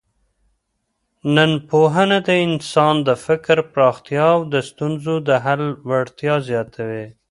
ننپوهنه د انسان د فکر پراختیا او د ستونزو د حل وړتیا زیاتوي.